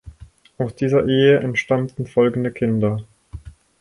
Aus dieser Ehe entstammten folgende Kinder.